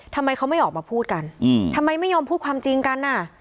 ทำไมเขาไม่ออกมาพูดกันทำไมไม่ยอมพูดความจริงกันอ่ะ